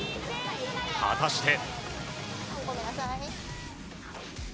果たして。